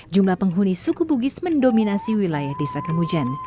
jumlah penghuni suku bugis mendominasi wilayah desa kemujan